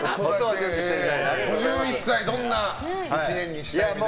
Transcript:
５１歳どんな１年にしたいですか？